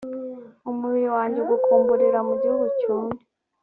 umubiri wanjye ugukumburira mu gihugu cyumye